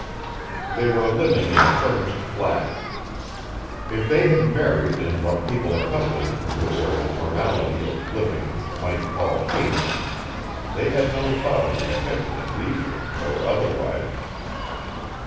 They were living in a furnished flat. If they had married in what people accustomed to a certain formality of living might call haste they had no thought of repenting at leisure, or otherwise.